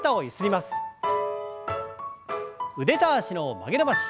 腕と脚の曲げ伸ばし。